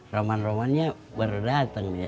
roman romannya baru datang ya